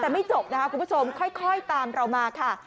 แต่ไม่จบนะคะคุณผู้ชมค่อยตามเรามาค่ะ